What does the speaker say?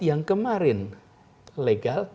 yang kemarin legal